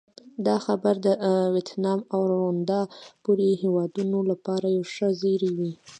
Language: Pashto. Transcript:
دا خبره د ویتنام او روندا پورې هېوادونو لپاره یو ښه زېری وي.